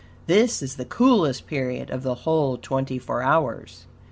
This is the coolest period of the whole twenty four hours.